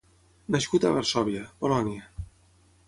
Nascut a Varsòvia, Polònia.